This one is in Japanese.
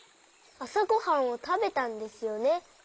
あさごはんをたべたんですよね。